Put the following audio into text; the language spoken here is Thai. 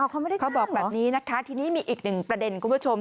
เขาไม่ได้จ้างเหรอค่ะทีนี้มีอีกหนึ่งประเด็นคุณผู้ชม